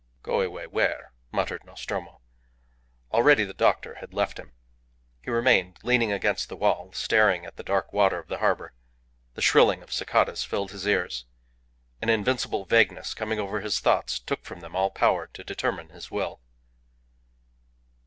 "Go away where?" muttered Nostromo. Already the doctor had left him. He remained leaning against the wall, staring at the dark water of the harbour; the shrilling of cicalas filled his ears. An invincible vagueness coming over his thoughts took from them all power to determine his will.